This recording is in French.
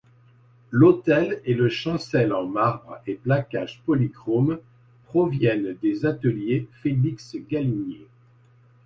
L'autel et le chancel en marbre et plaquage polychrome proviennent des ateliers Félix Galinier.